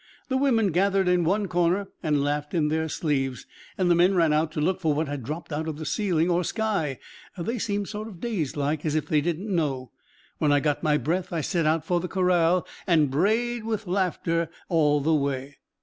The women gathered in one corner and laughed in their sleeves, and the men ran out to look for what had dropped out of the ceiling, or sky they seemed sort of dazed like, as if they didn't know. When I got my breath, I set out for the corral and brayed with laughter all the way.